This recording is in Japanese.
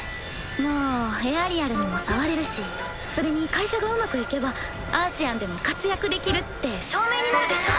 まあエアリアルにも触れるしそれに会社がうまくいけばアーシアンでも活躍できるって証明になるでしょ？